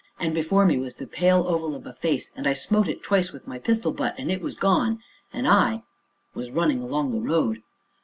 And before me was the pale oval of a face, and I smote it twice with my pistol butt, and it was gone, and I was running along the road.